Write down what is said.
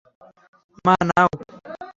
মা, নাও।